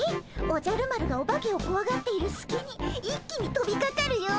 おじゃる丸がオバケをこわがっているすきに一気にとびかかるよ。